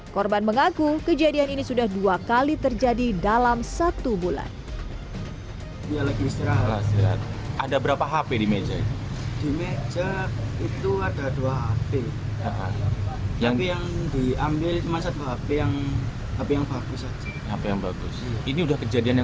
korban mengaku kejadian ini sudah dua kali terjadi dalam satu bulan